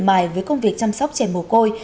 mài với công việc chăm sóc trẻ mồ côi